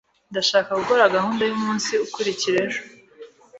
Ndashaka gukora gahunda kumunsi ukurikira ejo.